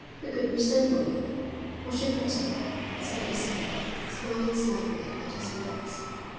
Who could resemble you?" "Was she pretty?" said Isabel, smiling slightly at his words.